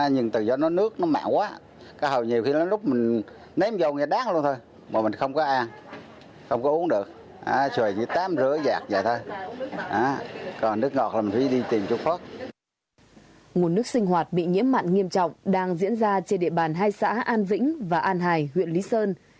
nguồn nước sinh hoạt bị nhiễm mặn nghiêm trọng đang diễn ra trên địa bàn hai xã an vĩnh và an hải huyện lý sơn